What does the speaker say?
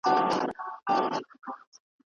زده کوونکي څنګه خپل فکر بدلوي؟